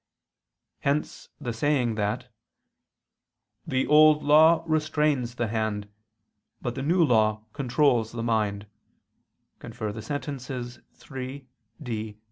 Hence the saying that "the Old Law restrains the hand, but the New Law controls the mind" ( Sentent. iii, D, xl).